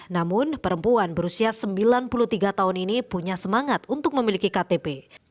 namun perempuan berusia sembilan puluh tiga tahun ini punya semangat untuk memiliki ktp